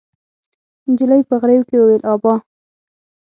نجلۍ په غريو کې وويل: ابا!